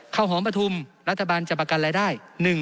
ข้าวหอมปฐุมรัฐบาลจะประกันรายได้